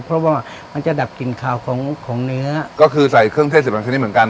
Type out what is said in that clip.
เพราะว่ามันจะดับกลิ่นขาวของของเนื้อก็คือใส่เครื่องเทศสิบกว่าชนิดเหมือนกัน